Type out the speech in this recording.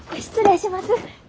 失礼します。